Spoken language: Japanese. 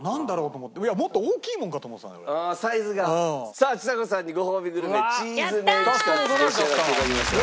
さあちさ子さんにごほうびグルメチーズメンチカツ召し上がって頂きましょう。